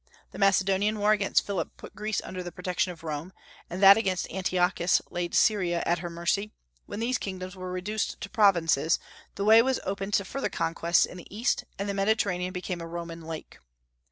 The Macedonian War against Philip put Greece under the protection of Rome, and that against Antiochus laid Syria at her mercy; when these kingdoms were reduced to provinces, the way was opened to further conquests in the East, and the Mediterranean became a Roman lake.